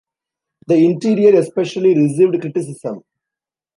The interior, especially, received criticism.